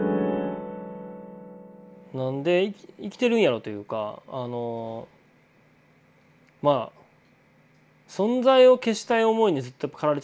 何で生きてるんやろというかまあ存在を消したい思いにずっと駆られてたんですよね。